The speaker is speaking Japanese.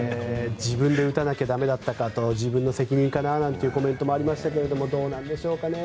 自分で打たなきゃ駄目だったかと自分の責任かなというコメントもありましたけどどうなんでしょうかね。